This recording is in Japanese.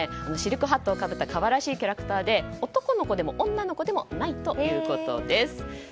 シルクハットをかぶった可愛らしいキャラクターで男の子でも女の子でもないということです。